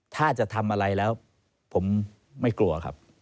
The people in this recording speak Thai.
ถ้าจะทำอะไรแล้วผมไม่กลัวครับ